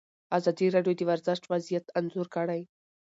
ازادي راډیو د ورزش وضعیت انځور کړی.